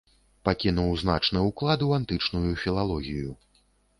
Пакінуў значны ўклад у антычную філалогію.